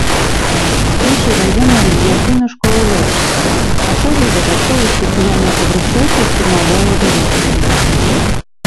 Скончыў ваенную авіяцыйную школу лётчыкаў, праходзіў дадатковую спецыяльную падрыхтоўку ў штурмавой авіяцыі.